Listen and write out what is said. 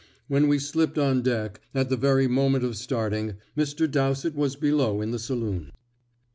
When we slipped on deck, at the very moment of starting, Mr. Dowsett was below in the saloon.